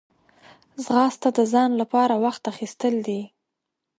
ځغاسته د ځان لپاره وخت اخیستل دي